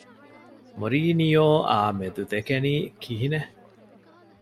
މޮރިީނިއޯއާ މެދު ދެކެނީ ކިހިނެއް؟